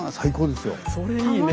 それいいね。